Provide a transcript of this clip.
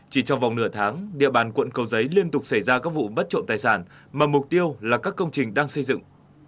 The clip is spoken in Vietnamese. chỉ trong vòng nửa tháng địa bàn quận cầu giấy liên tục xảy ra các vụ mất trộm tài sản mà mục tiêu là các công trình đang xây dựng